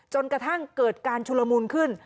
จนกระทั่งเกิดการชุลมูลขึ้น